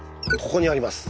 ここにあります。